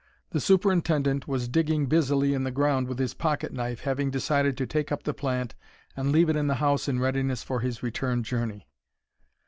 The superintendent was digging busily in the ground with his pocket knife, having decided to take up the plant and leave it in the house in readiness for his return journey.